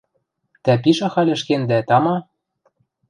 Тӓ пиш ахальыш кендӓ, тама.